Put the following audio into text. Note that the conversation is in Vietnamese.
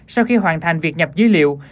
sau khi hoàn thành việc nhập dữ liệu